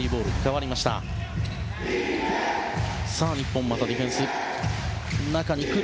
日本、またディフェンス。